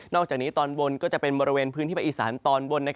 อกจากนี้ตอนบนก็จะเป็นบริเวณพื้นที่ภาคอีสานตอนบน